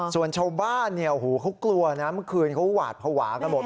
ส่วนชาวบ้านเนี่ยเขากลัวนะเมื่อคืนเขาหวาดภาวะ